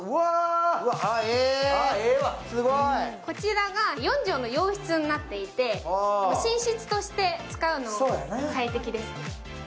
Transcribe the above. こちらが４畳の洋室になっていて寝室として使うのに最適です。